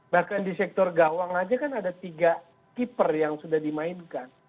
bahkan di sektor gawang aja kan ada tiga keeper yang sudah dimainkan